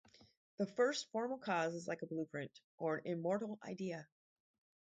The first formal cause is like a blueprint, or an immortal idea.